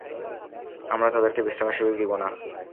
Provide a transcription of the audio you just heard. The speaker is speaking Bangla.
আমরা তাদেরকে বিশ্রামের সুযোগ দিব না।